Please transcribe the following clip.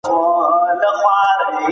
انسان پديدې انساني ځواک ته منسوبوي.